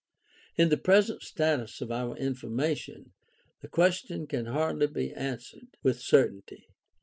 In the present status of our information the question can hardly be answered with cer tainty.